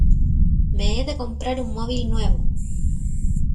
Me he de comprar un móvil nuevo.